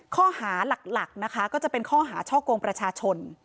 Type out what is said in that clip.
ข้อหาหลักนะคะก็จะเป็นข้อหาช่อกงประชาชน